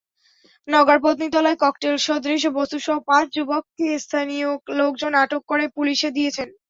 নওগাঁর পত্নীতলায় ককটেলসদৃশ বস্তুসহ পাঁচ যুবককে স্থানীয় লোকজন আটক করে পুলিশে দিয়েছেন।